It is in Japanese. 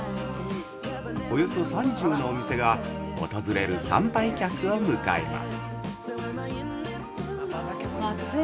およそ３０のお店が訪れる参拝客を迎えます。